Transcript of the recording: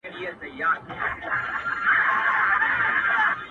• کيف يې د عروج زوال، سوال د کال پر حال ورکړ،